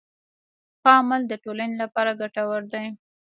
ښه عمل د ټولنې لپاره ګټور دی.